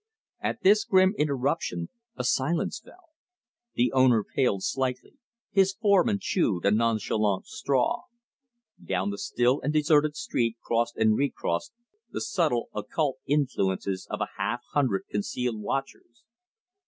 At this grim interruption a silence fell. The owner paled slightly; his foreman chewed a nonchalant straw. Down the still and deserted street crossed and recrossed the subtle occult influences of a half hundred concealed watchers.